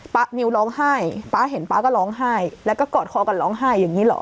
นิวร้องไห้ป๊าเห็นป๊าก็ร้องไห้แล้วก็กอดคอกันร้องไห้อย่างนี้หรอ